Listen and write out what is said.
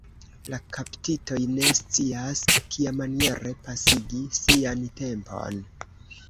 La kaptitoj ne scias, kiamaniere pasigi sian tempon.